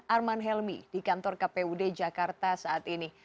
arman helmi di kantor kpud jakarta saat ini